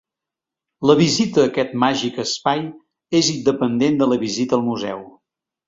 La visita a aquest màgic espai és independent de la visita al museu.